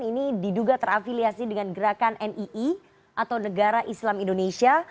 ini diduga terafiliasi dengan gerakan nii atau negara islam indonesia